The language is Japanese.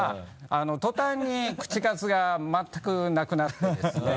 途端に口数が全くなくなってですね。